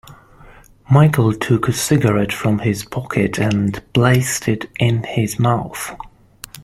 Michael took a cigarette from his pocket and placed it in his mouth.